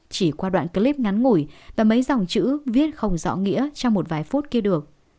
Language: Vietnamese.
chỉ qua đoạn clip ngắn ngủi và mấy dòng chữ viết không rõ nghĩa trong một vài phút kia được